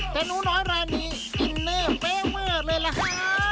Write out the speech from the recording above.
แต่หนูน้อยรายมีอินเน่เฟ้เวอร์เลยล่ะค่ะ